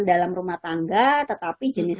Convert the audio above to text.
dalam rumah tangga tetapi jenis